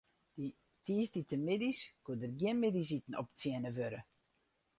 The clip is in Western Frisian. Dy tiisdeitemiddeis koe der gjin middeisiten optsjinne wurde.